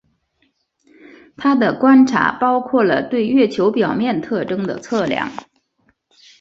他的观察包括了对月球表面特征的测量。